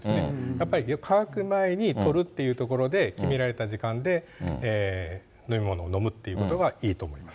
やっぱり渇く前にとるっていうところで決められた時間で飲み物を飲むっていうことがいいと思います。